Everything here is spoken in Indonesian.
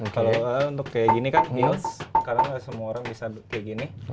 kalau untuk kayak gini kan heels karena nggak semua orang bisa kayak gini